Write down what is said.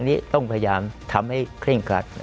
นี่ต้องพยายามทำให้คริ่งตัด